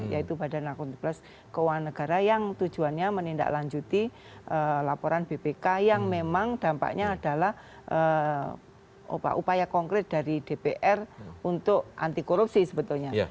yaitu badan akuntas keuangan negara yang tujuannya menindaklanjuti laporan bpk yang memang dampaknya adalah upaya konkret dari dpr untuk anti korupsi sebetulnya